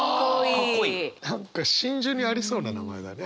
何か真珠にありそうな名前だね。